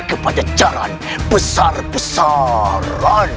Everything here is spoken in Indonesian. kepada jalan besar besaran